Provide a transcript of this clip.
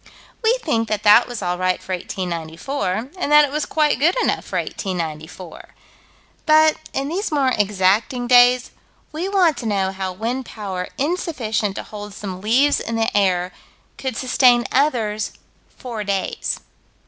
We think that that was all right for 1894, and that it was quite good enough for 1894. But, in these more exacting days, we want to know how wind power insufficient to hold some leaves in the air could sustain others four days.